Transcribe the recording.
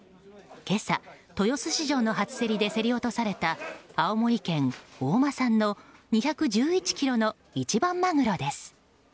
今朝、豊洲市場の初競りで競り落とされた青森県大間産の２１１ｋｇの一番マグロです。